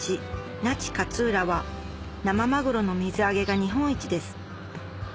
那智勝浦は生まぐろの水揚げが日本一です